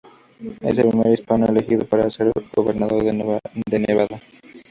Es el primer hispano elegido para ser gobernador de Nevada.